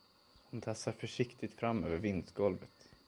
Hon tassar försiktigt fram över vindsgolvet.